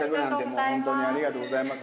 ありがとうございます。